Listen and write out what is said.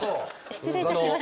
失礼いたしました。